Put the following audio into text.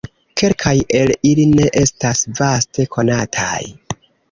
Kelkaj el ili ne estas vaste konataj.